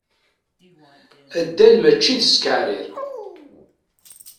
Addal mačči d ttkeɛrir.